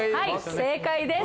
正解です！